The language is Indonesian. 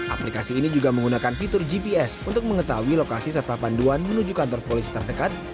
aplikasi ini juga menggunakan fitur gps untuk mengetahui lokasi serta panduan menuju kantor polisi terdekat